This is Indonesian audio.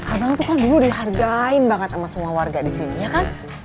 abang tuh kan dulu dihargain banget sama semua warga di sini ya kan